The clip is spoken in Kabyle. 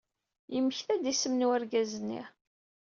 Yemmekta-d isem n urgaz-nni.